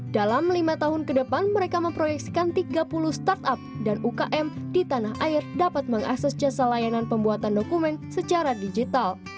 dalam lima tahun ke depan mereka memproyeksikan tiga puluh startup dan ukm di tanah air dapat mengakses jasa layanan pembuatan dokumen secara digital